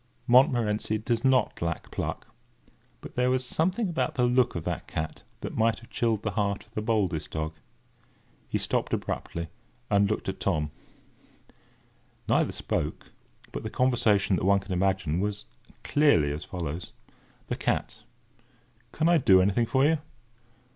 Montmorency does not lack pluck; but there was something about the look of that cat that might have chilled the heart of the boldest dog. He stopped abruptly, and looked back at Tom. Neither spoke; but the conversation that one could imagine was clearly as follows:— THE CAT: "Can I do anything for you?"